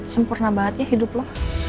sempurna banget ya hidup lo